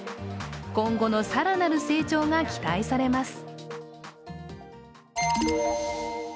今後の更なる成長が期待されます。